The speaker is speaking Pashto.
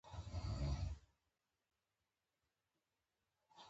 هغې د کوچ لاندې ټول کاغذونه او مجلې کیښودې